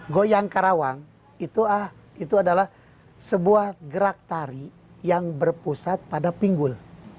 goyang karawang itu adalah sebuah gerak tari yang berpusat pada pinggul